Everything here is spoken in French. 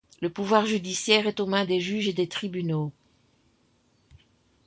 Le pouvoir judiciaire est aux mains des juges et des tribunaux.